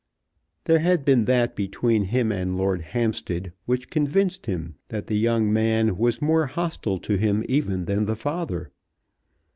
There had been that between him and Lord Hampstead which convinced him that the young man was more hostile to him even than the father.